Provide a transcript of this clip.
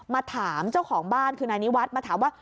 มาถามเจ้าของบ้านคือนายนิวัฒน์มาถามว่า